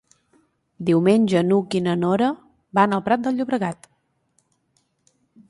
Diumenge n'Hug i na Nora van al Prat de Llobregat.